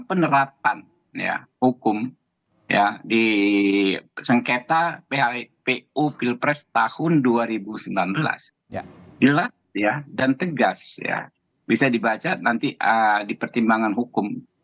mata phpu pilpres tahun dua ribu sembilan belas ya jelas ya dan tegas ya bisa dibaca nanti di pertimbangan hukum